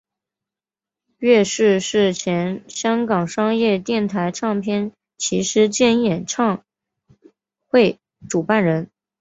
乐仕是前香港商业电台唱片骑师兼演唱会主办人。